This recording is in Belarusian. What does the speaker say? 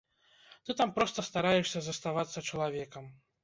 Там ты проста стараешся заставацца чалавекам.